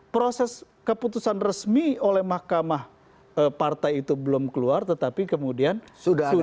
proses keputusan resmi oleh mahkamah partai itu belum keluar tetapi kemudian sudah ada pihak luar ya